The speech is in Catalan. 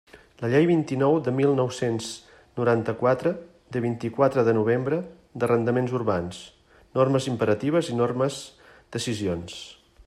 La Llei vint-i-nou de mil nou-cents noranta-quatre, de vint-i-quatre de novembre, d'arrendaments urbans: normes imperatives i normes decisions.